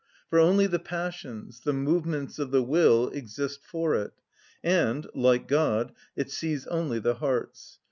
For only the passions, the movements of the will, exist for it, and, like God, it sees only the hearts.